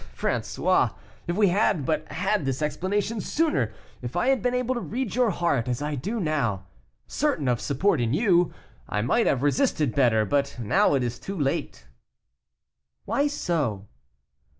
Ah! François, if we had but had this explanation sooner, if I had been able to read your heart as I do now, certain of support in you, I might have resisted better, but now it is too late." "Why so?"